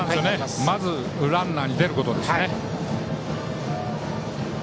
まずランナーに出ることですね。